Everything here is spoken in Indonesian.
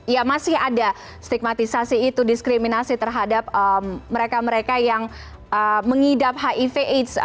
ya masih ada stigmatisasi itu diskriminasi terhadap mereka mereka yang mengidap hiv aids